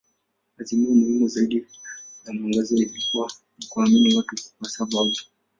Azimio muhimu zaidi la mwangaza lilikuwa ni kuamini watu kwa sababu.